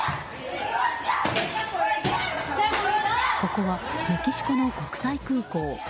ここはメキシコの国際空港。